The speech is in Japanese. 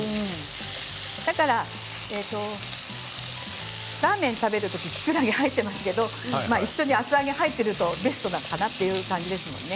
だからラーメンを食べるときにきくらげが入っていますけれども一緒に厚揚げが入っているとベストなのかなっていう感じですね。